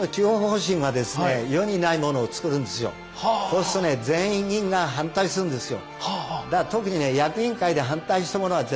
そうするとね全員が反対するんですよ。